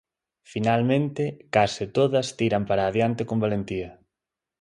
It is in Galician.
Finalmente case todas tiran para adiante con valentía.